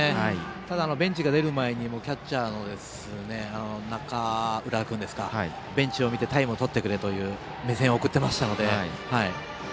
ただ、ベンチが出る前にもう、キャッチャーの中浦君がベンチを見てタイムを取ってくれという目線を送っていましたので。